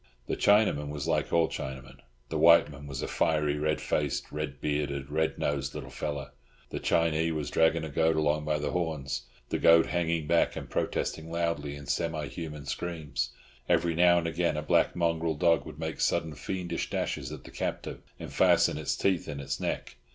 The Chinaman was like all Chinamen; the white man was a fiery, red faced, red bearded, red nosed little fellow. The Chinee was dragging a goat along by the horns, the goat hanging back and protesting loudly in semi human screams; every now and again a black mongrel dog would make sudden fiendish dashes at the captive, and fasten its teeth in its neck.